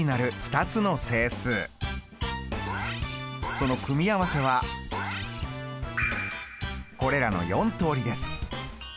その組み合わせはこれらの４通りです。